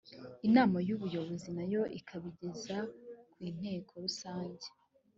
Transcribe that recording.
inama y ubuyobozi na yo ikabigeza ku nteko rusange